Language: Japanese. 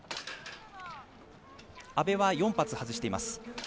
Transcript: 阿部は４発、外しています。